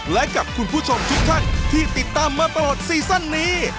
และกับคุณผู้ชมทุกท่านที่ติดตามมาตลอดซีซั่นนี้